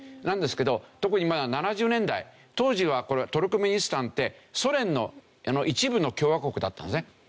なんですけど特に７０年代当時はトルクメニスタンってソ連の一部の共和国だったんですね。